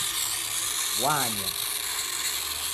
Wanya